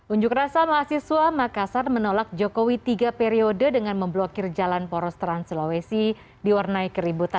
unjuk rasa mahasiswa makassar menolak jokowi tiga periode dengan memblokir jalan poros trans sulawesi diwarnai keributan